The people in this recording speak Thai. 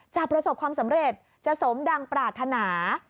จะประสบความสำเร็จจะสมดังปรารถนา